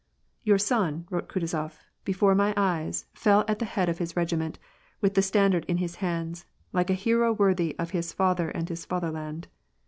"Your son," wrote Kutuzof, "before my eyes, fell at the' head of his regiment, with the standard in his hands, like a hero worthy of his father and his fatherland.